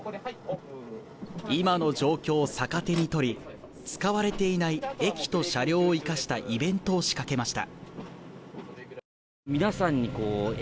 今の状況を逆手に取り、使われていない駅と車両を生かしたイベントを仕掛けました。